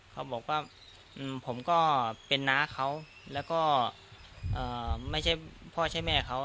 เขาบอกว่าผมก็เป็นน้าเขาแล้วก็ไม่ใช่พ่อใช่แม่เขา